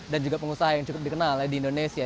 dan juga pengusaha yang cukup dikenal di indonesia